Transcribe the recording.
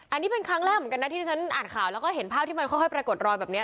อันนี้เป็นครั้งแรกเหมือนกันนะที่ที่ฉันอ่านข่าวแล้วก็เห็นภาพที่มันค่อยปรากฏรอยแบบนี้